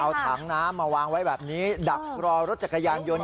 เอาถังน้ำมาวางไว้แบบนี้ดักรอรถจักรยานยนต์